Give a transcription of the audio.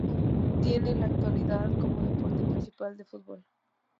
Tiene en la actualidad como deporte principal el fútbol.